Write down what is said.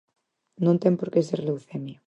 Non ten por que ser leucemia.